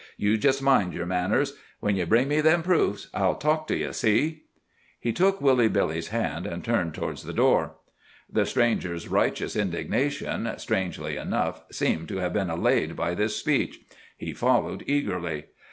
You jest mind your manners. When you bring me them proofs, I'll talk to you, see!" He took Woolly Billy's hand, and turned towards the door. The stranger's righteous indignation, strangely enough, seemed to have been allayed by this speech. He followed eagerly.